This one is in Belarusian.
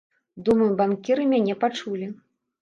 Думаю, банкіры мяне пачулі.